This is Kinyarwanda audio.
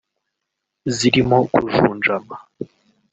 zirimo kujunjama